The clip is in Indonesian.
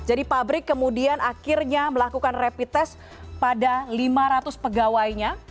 jadi pabrik kemudian akhirnya melakukan rapid test pada lima ratus pegawainya